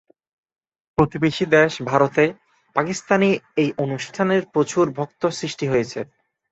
প্রতিবেশী দেশ ভারতে পাকিস্তানি এই অনুষ্ঠানের প্রচুর ভক্ত সৃষ্টি হয়েছে।